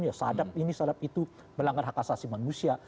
ya sadap ini sadap itu melanggar hak asasi manusia